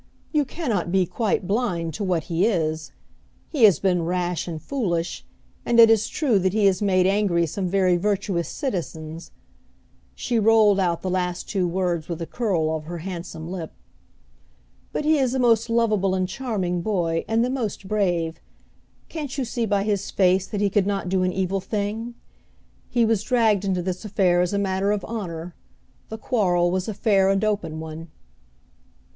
You can not be quite blind to what he is. He has been rash and foolish, and it is true that he has made angry some very virtuous citizens" she rolled out the last two words with a curl of her handsome lip "but he is a most lovable and charming boy, and the most brave! Can't you see by his face that he could not do an evil thing? He was dragged into this affair as a matter of honor; the quarrel was a fair and open one."